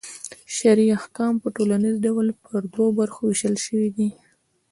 شرعي احکام په ټوليز ډول پر دوو برخو وېشل سوي دي.